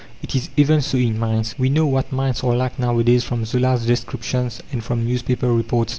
It is even so in mines. We know what mines are like nowadays from Zola's descriptions and from newspaper reports.